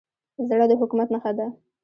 زړه د حکمت نښه ده.